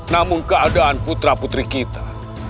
namun keadaan putra putri kita